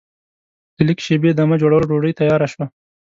له لږ شېبې دمه جوړولو ډوډۍ تیاره شوه.